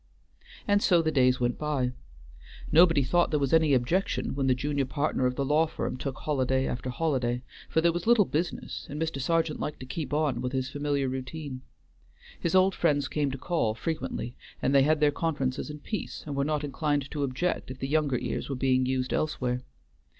And so the days went by. Nobody thought there was any objection when the junior partner of the law firm took holiday after holiday, for there was little business and Mr. Sergeant liked to keep on with his familiar routine. His old friends came to call frequently, and they had their conferences in peace, and were not inclined to object if the younger ears were being used elsewhere.